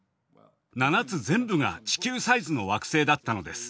７つ全部が地球サイズの惑星だったのです。